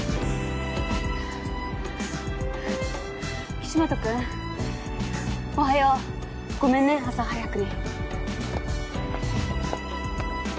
岸本君おはようごめんね朝早くに。